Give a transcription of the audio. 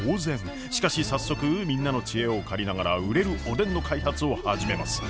しかし早速みんなの知恵を借りながら売れるおでんの開発を始めます。